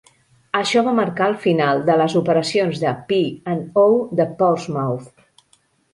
Això va marcar el final de les operacions de P and O de Portsmouth.